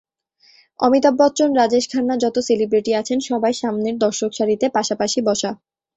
অমিতাভ বচ্চন, রাজেশ খান্না-যত সেলিব্রিটি আছেন, সবাই সামনের দর্শকসারিতে পাশাপাশি বসা।